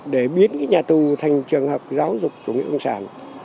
để biến nhà tù thành trường hợp giáo dục chủ nghĩa cộng sản